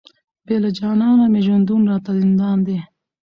بې له جانانه مي ژوندون راته زندان دی،